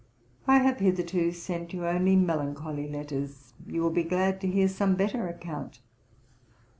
'I have hitherto sent you only melancholy letters, you will be glad to hear some better account.